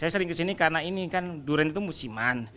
saya sering kesini karena ini kan durian itu musiman